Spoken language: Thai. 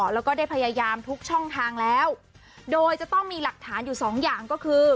แล้วก็ได้พยายามทุกช่องทางแล้วโดยจะต้องมีหลักฐานอยู่สองอย่างก็คือ